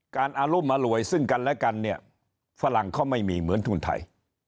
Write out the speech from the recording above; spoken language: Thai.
อารุมอร่วยซึ่งกันและกันเนี่ยฝรั่งเขาไม่มีเหมือนทุนไทย